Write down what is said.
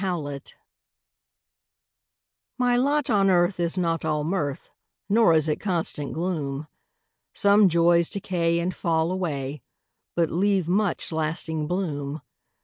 MY LOT My lot on earth is not all mirth, Nor is it constant gloom; Some joys decay and fall away, But leave much lasting bloom.